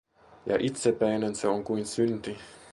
Ja itsepäinen se on kuin synti.